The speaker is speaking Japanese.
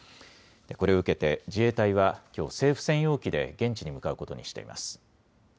これを受けて自衛隊はきょう政府専用機で現地に向かうことにしています。